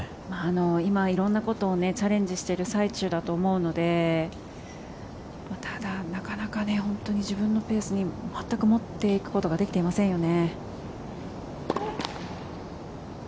今、色んなことをチャレンジしてる最中だと思うのでただ、なかなか本当に自分のペースに全く持っていくことができていませんよね。